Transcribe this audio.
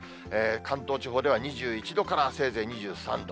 関東地方では、２１度からせいぜい２３度。